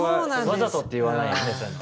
わざとって言わないですね